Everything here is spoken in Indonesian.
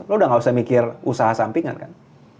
lo udah gak usah mikir usaha sampingan kan